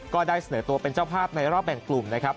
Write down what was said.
ก็ได้เสนอตัวเป็นเจ้าภาพในรอบแบ่งกลุ่มนะครับ